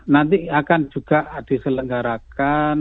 nanti akan juga diselenggarakan